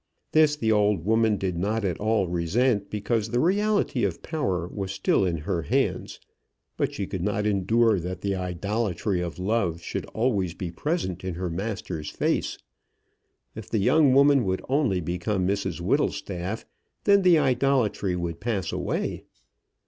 This the old woman did not at all resent, because the reality of power was still in her hands; but she could not endure that the idolatry of love should always be present in her master's face. If the young woman would only become Mrs Whittlestaff, then the idolatry would pass away.